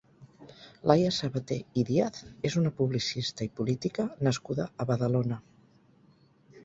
Laia Sabater i Díaz és una publicista i política nascuda a Badalona.